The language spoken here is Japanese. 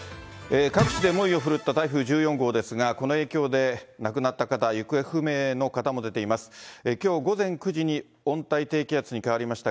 各地で猛威を振るった台風１４号ですが、この影響で亡くなった方、行方不明の方も出ています。